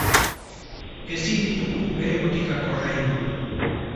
Ezin ditugu bere botikak ordaindu.